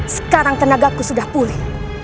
sekarang tenagaku sudah pulih